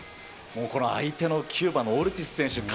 この相手のキューバのオルティス選手、体